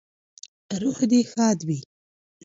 روح دې ښاد وي